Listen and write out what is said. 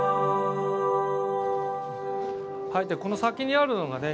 じゃあこの先にあるのがね